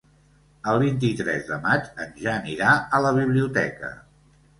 El vint-i-tres de maig en Jan irà a la biblioteca.